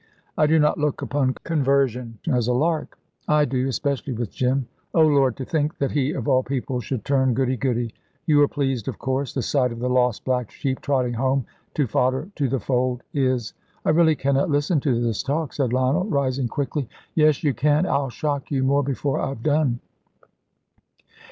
"I do not look upon conversion as a lark." "I do, especially with Jim. Oh, Lord, to think that he of all people should turn goody goody. You are pleased, of course; the sight of the lost black sheep trotting home to fodder to the fold is " "I really cannot listen to this talk," said Lionel, rising quickly. "Yes, you can. I'll shock you more before I've done."